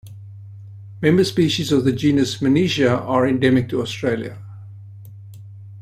Member species of the genus "Menetia" are endemic to Australia.